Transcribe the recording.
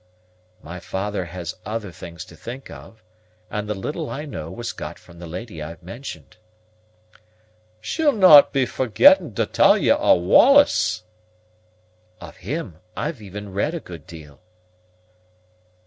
"My father has other things to think of, and the little I know was got from the lady I have mentioned." "She'll no' be forgetting to tall ye o' Wallace?" "Of him I've even read a good deal."